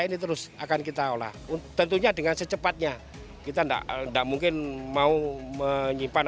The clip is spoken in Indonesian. ini terus akan kita olah tentunya dengan secepatnya kita enggak enggak mungkin mau menyimpan